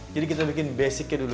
jadi kita bikin basicnya dulu